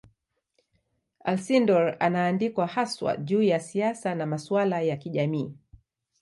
Alcindor anaandikwa haswa juu ya siasa na masuala ya kijamii.